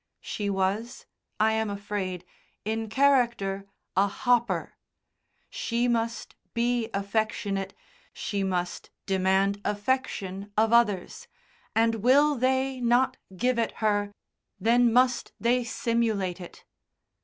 She was, I am afraid, in character a "Hopper." She must be affectionate, she must demand affection of others, and will they not give it her, then must they simulate it.